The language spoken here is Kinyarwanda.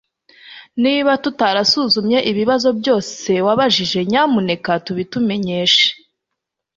niba tutarasuzumye ibibazo byose wabajije, nyamuneka tubitumenyeshe